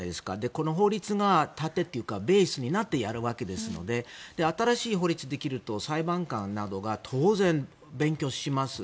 この法律が盾というかベースになってやるわけですので新しい法律ができると裁判官などが当然、勉強します。